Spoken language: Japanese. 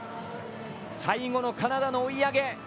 最後のカナダの追い上げ。